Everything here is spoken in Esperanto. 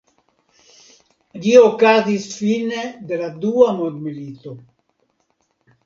Ĝi okazis fine de la dua mondmilito.